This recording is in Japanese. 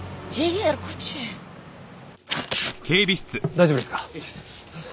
大丈夫ですか？